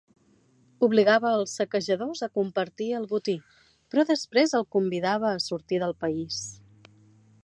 Obligava als saquejadors a compartir el botí però després el convidava a sortir del país.